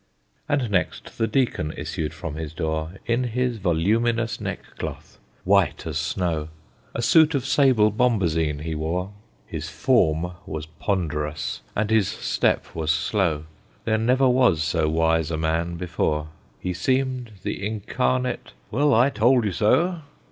And next the Deacon issued from his door, In his voluminous neck cloth, white as snow; A suit of sable bombazine he wore; His form was ponderous, and his step was slow; There never was so wise a man before; He seemed the incarnate "Well, I told you so!"